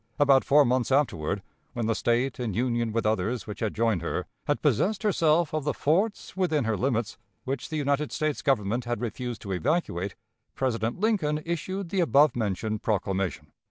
About four months afterward, when the State, in union with others which had joined her, had possessed herself of the forts within her limits, which the United States Government had refused to evacuate, President Lincoln issued the above mentioned proclamation.